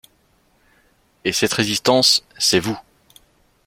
Et cette résistance, c'est Vous.